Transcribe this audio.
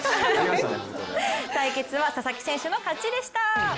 対決は佐々木選手の勝ちでした。